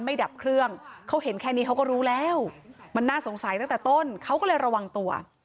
ดับเครื่องเขาเห็นแค่นี้เขาก็รู้แล้วมันน่าสงสัยตั้งแต่ต้นเขาก็เลยระวังตัว